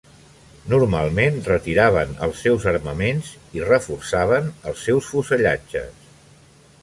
Normalment retiraven els seus armaments i reforçaven els seus fusellatges.